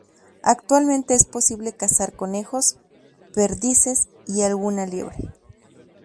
Actualmente es posible cazar conejos, perdices, y alguna liebre.